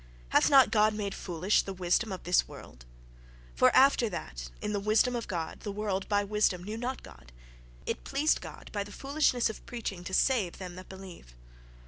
"Hath not God made foolish the wisdom of this world? For after that in the wisdom of God the world by wisdom knew not God, it pleased God by the foolishness of preaching to save them that believe....